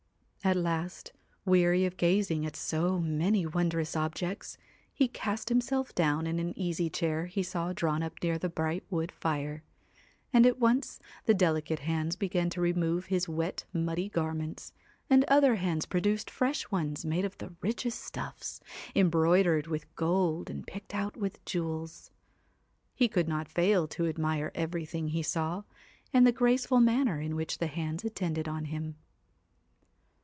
At last, weary of gazing at so many wondrous objects, he cast himself down in an easy chair he saw drawn up near a bright wood fire ; and at once the delicate hands began to remove his wet, muddy garments, and other hands pro duced fresh ones made of the richest stuffs, em broidered with gold and picked out with jewels. He could not fail to admire everything he saw, and the graceful manner in which the hands attended on him.